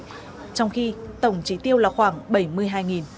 trong khi tổng trí tiêu là khoảng bảy mươi hai